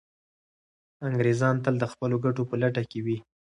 انګریزان تل د خپلو ګټو په لټه کي وي.